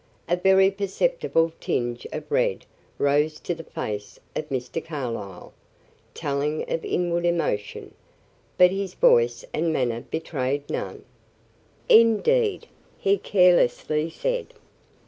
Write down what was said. A very perceptible tinge of red rose to the face of Mr. Carlyle, telling of inward emotion, but his voice and manner betrayed none. "Indeed," he carelessly said.